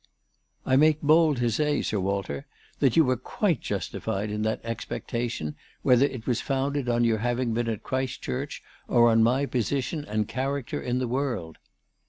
" I make bold to say, Sir Walter, that you were quite justified in that expectation, whether it was founded on your having been at Christchurch or on my position and character in the world."